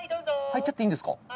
・いいんですか？